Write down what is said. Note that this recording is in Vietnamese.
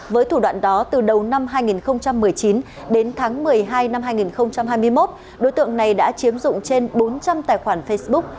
với thủ đoạn đó từ đầu năm hai nghìn một mươi chín đến tháng một mươi hai năm hai nghìn hai mươi một đối tượng này đã chiếm dụng trên bốn trăm linh tài khoản facebook